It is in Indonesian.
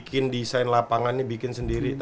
bikin desain lapangannya bikin sendiri